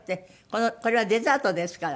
これはデザートですから。